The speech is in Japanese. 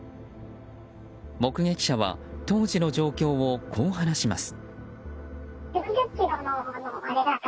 目撃者は当時の状況をこう話します。